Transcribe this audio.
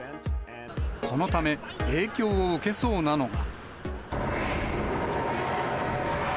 このため、影響を受けそうなのが。